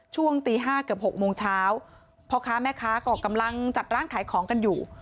ช่วงตี๕เกือบ๖โมงเช้าพ่อค้าแม่ค้าก็กำลังจัดร้านขายของกันอยู่